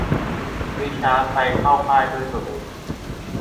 ริชาร์ดไปเข้าค่ายด้วยตัวเอง